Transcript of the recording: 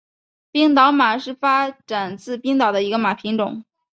冰岛马是发展自冰岛的一个马品种。